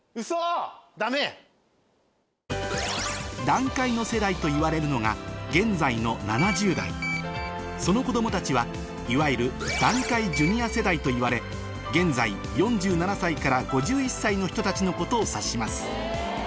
団塊の世代といわれるのが現在の７０代その子供たちはいわゆる団塊ジュニア世代といわれ現在４７歳から５１歳の人たちのことを指します